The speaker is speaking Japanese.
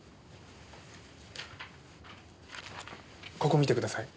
ここ見てください。